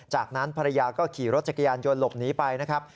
จากนั้นภรรยาก็ขี่รถจักรยานยนต์หลบหนีไปนะครับ